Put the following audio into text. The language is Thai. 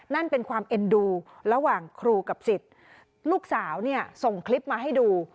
นั่นเป็นความเอ็นดูระหว่างครูกับสิทธิ์ลูกสาวเนี่ยส่งคลิปมาให้ดู